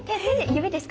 指ですか？